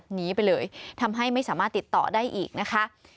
หนีไปเลยทำให้ไม่สามารถติดต่อได้อีกนะคะ